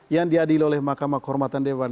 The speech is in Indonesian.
yang diadil oleh mahkamah kehormatan dewan